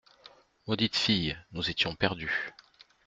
Maudite fille ! nous étions perdus.